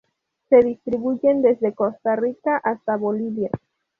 Se distribuyen desde Costa Rica hasta Bolivia.